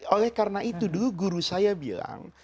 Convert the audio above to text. oleh karena itu dulu guru saya bilang